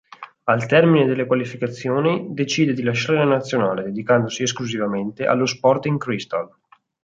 Al termine delle qualificazioni decide di lasciare la Nazionale, dedicandosi esclusivamente allo Sporting Cristal